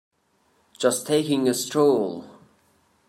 Just taking a stroll.